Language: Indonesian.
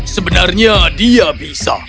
sebenarnya dia bisa